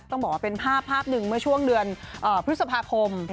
ต้องบอกว่าเป็นภาพภาพหนึ่งเมื่อช่วงเดือนพฤษภาคม